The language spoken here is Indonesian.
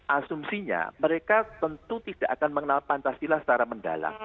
asumsinya mereka tentu tidak akan mengenal pancasila secara mendalam